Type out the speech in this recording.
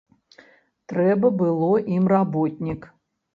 Трэба было ім работнік.